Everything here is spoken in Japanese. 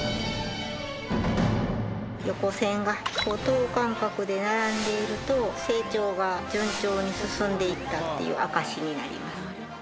横線が等間隔で並んでいると成長が順調に進んでいったっていう証しになります。